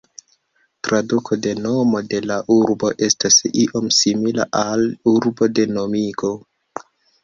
Traduko de nomo de la urbo estas io simila al "urbo de nomigo".